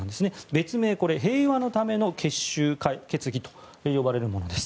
別名、「平和のための結集」決議と呼ばれるものです。